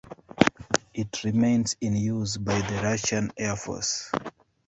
It remains in use by the Russian Air Force.